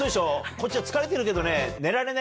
こっちは疲れてるけど。